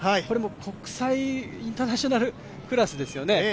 これ国際インターナショナルクラスですよね。